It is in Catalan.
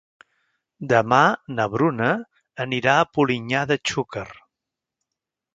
Demà na Bruna anirà a Polinyà de Xúquer.